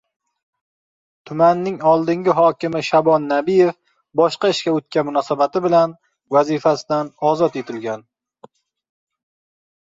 Tumanning oldingi hokimi Shabon Nabiyev boshqa ishga o‘tgani munosabati bilan vazifasidan ozod etilgan